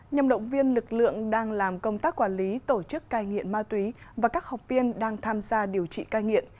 nhằm động viên lực lượng đang làm công tác quản lý tổ chức cai nghiện ma túy và các học viên đang tham gia điều trị cai nghiện